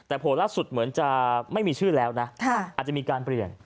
แต่โผล่ล่าสุดเหมือนจะไม่มีชื่อแล้วนะอาจจะมีการเปลี่ยน